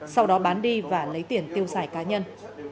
sau đó bán đi và lấy tiền tiêu xài cá nhân